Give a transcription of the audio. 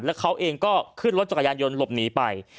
แล้วเขาเองก็ขึ้นรถจักรยานยนต์หลบหนีไป